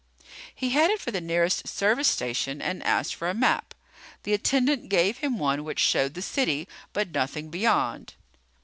He headed for the nearest service station and asked for a map. The attendant gave him one which showed the city, but nothing beyond.